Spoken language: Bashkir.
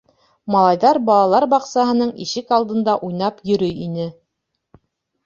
Малайҙар балалар баҡсаһының ишек алдында уйнап йөрөй ине.